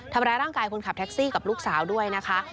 ทำร้ายร่างกายคนขับแท็กซี่กับลูกสาวด้วยนะคะ